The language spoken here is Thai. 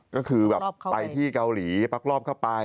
ก็คือแบบไปที่เกาหลีพักรอบเข้าไป